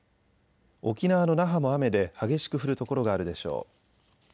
沖縄の那覇も雨で激しく降る所があるでしょう。